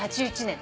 ８１年。